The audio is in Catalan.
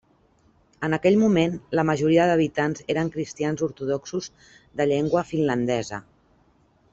En aquell moment, la majoria d'habitants eren cristians ortodoxos de llengua finlandesa.